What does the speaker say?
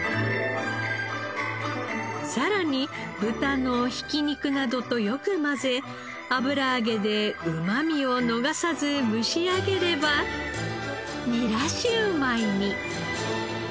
さらに豚のひき肉などとよく混ぜ油揚げでうまみを逃さず蒸し上げればニラしゅうまいに。